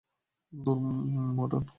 ধুর, মরটন!